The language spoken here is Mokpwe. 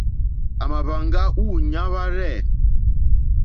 À mà hwáŋgá wûɲá wárzɛ̂.